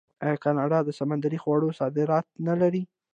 آیا کاناډا د سمندري خوړو صادرات نلري؟